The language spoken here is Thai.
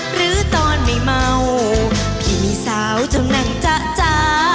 หรือตอนไม่เมาพี่สาวจังนั่งจ๊ะจ๊ะ